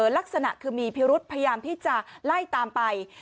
ลักษณะคือมีพิรุธพยายามที่จะไล่ตามไป